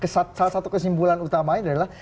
salah satu kesimpulan utamanya adalah